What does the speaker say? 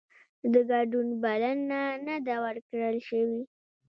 د ګډون بلنه نه ده ورکړل شوې